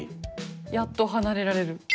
「やっと離れられる」。